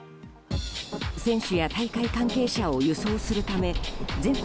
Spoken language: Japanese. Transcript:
選手や大会関係者を輸送するため全国